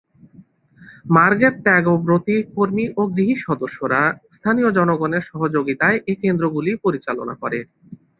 মার্গের ত্যাগব্রতী কর্মী ও গৃহী সদস্যরা স্থানীয় জনগণের সহযোগিতায় এ কেন্দ্রগুলি পরিচালনা করে।